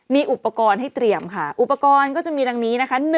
มีอุปกรณ์ให้เตรียมค่ะอุปกรณ์ก็จะมีดังนี้นะคะ